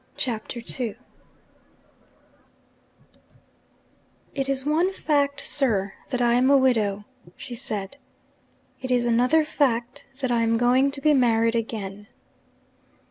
CHAPTER II 'It is one fact, sir, that I am a widow,' she said. 'It is another fact, that I am going to be married again.'